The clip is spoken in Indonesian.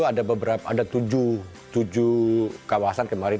ada tujuh kawasan kemarin